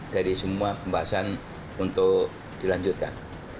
dari semua pembahasan untuk dilanjutkan